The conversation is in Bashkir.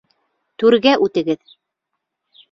Түргә үтегеҙ!